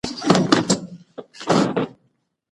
خو د کروندې پوهه بله ده.